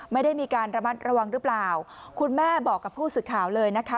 ไม่ได้มีการระมัดระวังหรือเปล่าคุณแม่บอกกับผู้สื่อข่าวเลยนะคะ